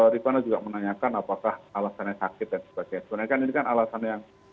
ripana juga menanyakan apakah alasannya sakit dan sebagainya ini kan alasan yang